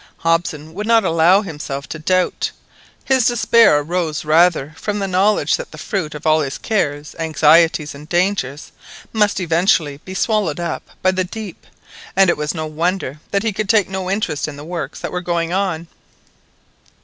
Hobson would not allow himself to doubt; his despair arose rather from the knowledge that the fruit of all his cares, anxieties, and dangers must eventually be swallowed up by the deep, and it was no wonder that he could take no interest in the works that were going on.